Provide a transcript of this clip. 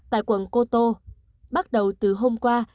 tại quận koto bắt đầu từ hôm qua